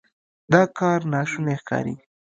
دا کار ناشونی ښکاري.